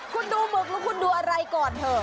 คุณดูหมึกหรือคุณดูอะไรก่อนเถอะ